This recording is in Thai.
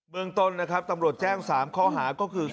เมืองต้นนะครับตำรวจแจ้ง๓ข้อหาก็คือ